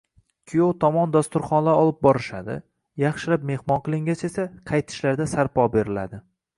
Kuyov tomon dasturxonlar olib borishadi, yaxshilab mehmon qilingach esa, qaytishlarida esa sаrpо beriladi.